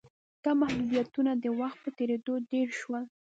دا محدودیتونه د وخت په تېرېدو ډېر شول